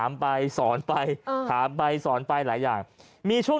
เขาก็ชี้แจ่ง